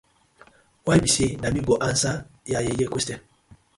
Why bi say na mi go answering yah yeye questioning.